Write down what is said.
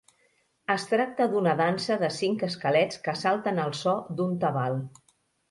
Es tracta d'una dansa de cinc esquelets que salten al so d'un tabal.